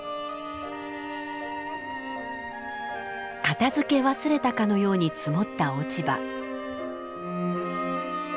片づけ忘れたかのように積もった落ち葉。